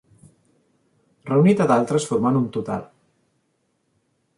Reunit a d'altres formant un total.